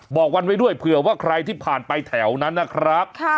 บอกวันไว้ด้วยเผื่อว่าใครที่ผ่านไปแถวนั้นนะครับ